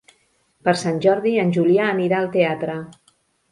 Per Sant Jordi en Julià anirà al teatre.